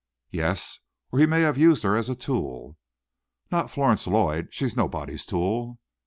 "Yes; or he may have used her as a tool." "Not Florence Lloyd. She's nobody's tool."